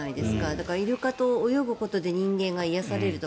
だからイルカと泳ぐことで人間が癒やされると。